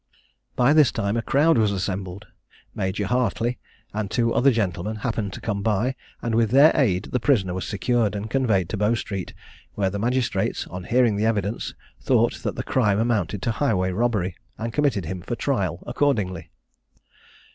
By this time a crowd was assembled; Major Hartly, and two other gentlemen, happened to come by, and with their aid, the prisoner was secured, and conveyed to Bow street, where the magistrates, on hearing the evidence, thought that the crime amounted to a highway robbery, and committed him for trial accordingly.